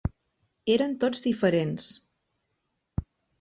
Eren tots diferents.